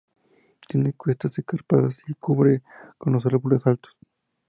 Tiene cuestas escarpadas y se cubre con los árboles altos.